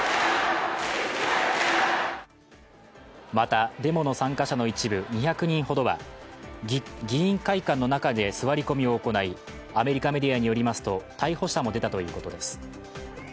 またデモの参加者の一部２００人ほどは、議員会館の中で座り込みを行いアメリカメディアによりますと逮捕者も出たということです。